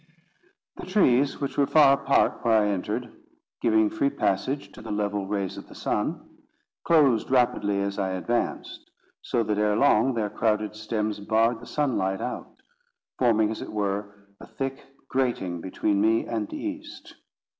The trees, which were far apart where I entered, giving free passage to the level rays of the sun, closed rapidly as I advanced, so that ere long their crowded stems barred the sunlight out, forming as it were a thick grating between me and the East.